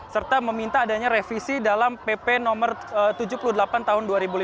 serta meminta adanya revisi dalam pp no tujuh puluh delapan tahun dua ribu lima belas